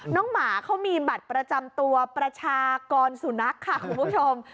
หมาเขามีบัตรประจำตัวประชากรสุนัขค่ะคุณผู้ชม